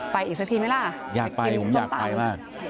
อีกสักทีไหมล่ะอยากไปผมอยากไปมาก